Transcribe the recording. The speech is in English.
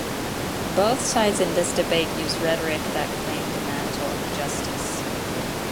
Both sides in this debate use rhetoric that claims the mantle of "justice".